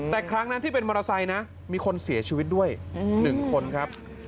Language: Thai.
แต่ครั้งนั้นที่เป็นมอเตอร์ไซค์นะมีคนเสียชีวิตด้วย๑คนครับ